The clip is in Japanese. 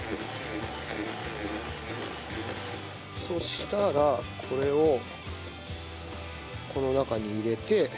そしたらこれをこの中に入れて。